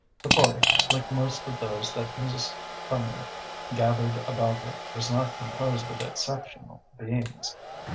The party, like most of those that Mrs. Cumnor gathered about her, was not composed of exceptional beings.